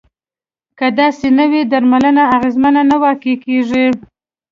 که داسې نه وي درملنه اغیزمنه نه واقع کیږي.